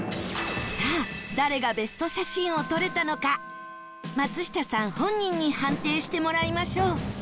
さあ誰がベスト写真を撮れたのか松下さん本人に判定してもらいましょう